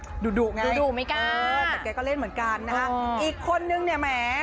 ดุดุไงดูดุไม่กล้าแต่แกก็เล่นเหมือนกันนะฮะอีกคนนึงเนี่ยแหม